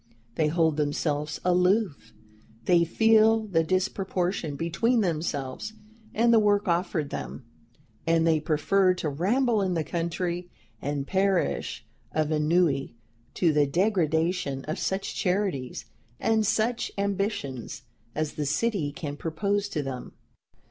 They hold themselves aloof; they feel the disproportion between themselves and the work offered them, and they prefer to ramble in the country and perish of ennui, to the degradation of such charities and such ambitions as the city can propose to them.